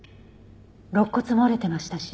肋骨も折れてましたし。